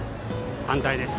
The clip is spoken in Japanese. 反対です。